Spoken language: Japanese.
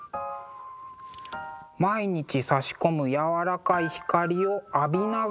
毎日さし込むやわらかい光を浴びながらの仕事。